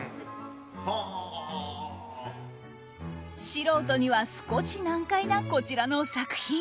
素人には少し難解なこちらの作品。